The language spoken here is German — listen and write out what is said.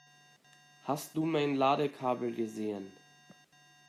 Hast du mein Ladekabel gesehen?